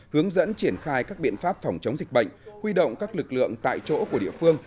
hướng dẫn triển khai các biện pháp phòng chống dịch bệnh huy động các lực lượng tại chỗ của địa phương